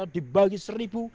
di bagi seribu